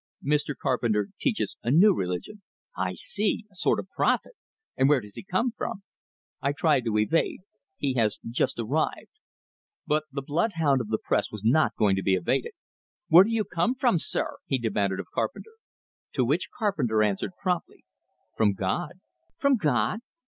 "Mr. Carpenter teaches a new religion." "I see. A sort of prophet! And where does he come from?" I tried to evade. "He has just arrived " But the blood hound of the press was not going to be evaded. "Where do you come from, sir?" he demanded, of Carpenter. To which Carpenter answered, promptly: "From God." "From God?